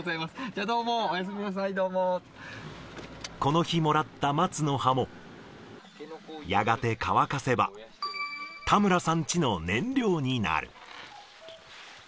じゃあ、どうも、この日もらった松の葉も、やがて乾かせば、田村さんチの燃料になる。